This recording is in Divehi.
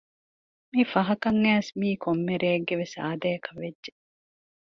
މި ފަހަކައް އައިސް މީ ކޮއްމެ ރެއެއްގެވެސް އާދައަކައްވެއްޖެ